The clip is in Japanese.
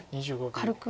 軽く。